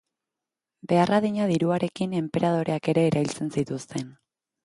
Behar adina diruarekin, enperadoreak ere erailtzen zituzten.